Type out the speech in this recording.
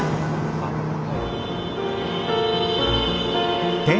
あっはい。